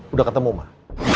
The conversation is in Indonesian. udah ketemu mah